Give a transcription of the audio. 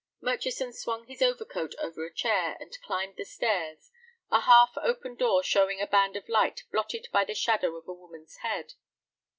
Murchison swung his overcoat over a chair, and climbed the stairs, a half open door showing a band of light blotted by the shadow of a woman's head.